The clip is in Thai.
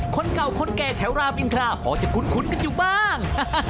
คนเก่าคนแก่แถวรามอินทราพอจะคุ้นกันอยู่บ้าง